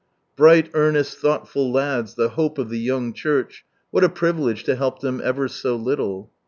Bright, earnest, thoughtful lads, the hope of the young church 1 What a privilege to help them ever so little!